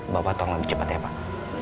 bapak tong lebih cepat ya pak